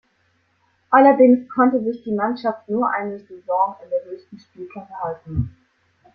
Allerdings konnte sich die Mannschaft nur eine Saison in der höchsten Spielklasse halten.